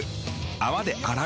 泡で洗う。